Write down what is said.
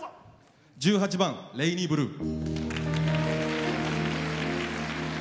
１８番「レイニーブルー」。